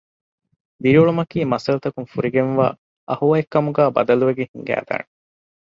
ދިރިއުޅުމަކީ މައްސަލަތަކުން ފުރިގެންވާ އަހުވައެއްކަމުގައި ބަދަލުވެގެން ހިނގައިދާނެ